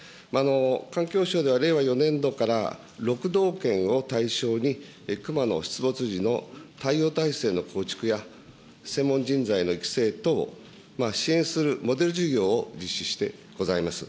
環境省では令和４年度から６道県を対象に、熊の出没時の対応態勢の構築や、専門人材の育成等を支援するモデル事業を実施してございます。